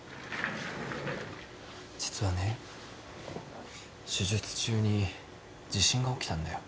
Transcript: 実はね手術中に地震が起きたんだよ。